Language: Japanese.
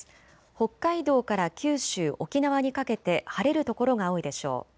北海道から九州、沖縄にかけて晴れる所が多いでしょう。